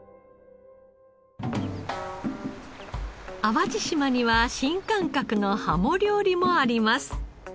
淡路島には新感覚のハモ料理もあります。